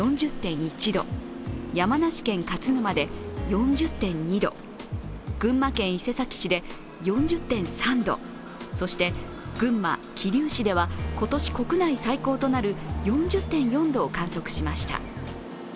４０．１度、山梨県勝沼で４０．２度、群馬県伊勢崎市で４０．３度、そして群馬・桐生市では今年国内最高となる４０．４度を観測しました。